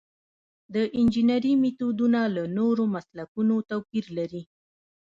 د انجنیری میتودونه له نورو مسلکونو توپیر لري.